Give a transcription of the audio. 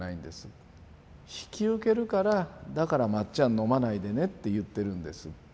引き受けるからだからまっちゃん飲まないでねって言ってるんです。